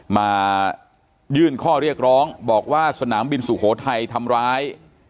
มายื่นข้อเรียกร้องบอกว่าสนามบินสุโขทัยทำร้าย